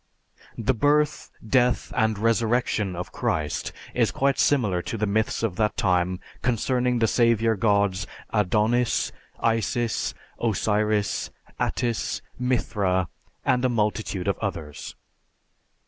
The birth, death, and resurrection of Christ is quite similar to the myths of that time concerning the savior gods Adonis, Isis, Osiris, Attis, Mithra, and a multitude of others.